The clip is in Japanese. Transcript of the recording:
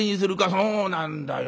「そうなんだよ。